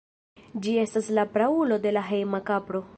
Ĝi estas la praulo de la hejma kapro.